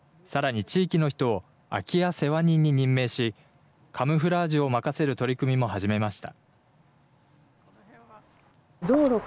さらに地域の人を空き家世話人に任命し、カムフラージュを任せる取り組みも始めました。